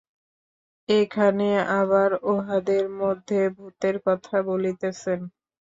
এখানে আবার উহাদের মধ্যে ভূতের কথা বলিতেছেন।